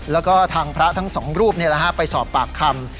แล้วก็ทางพระทั้งสองรูปไปสอบปากคำ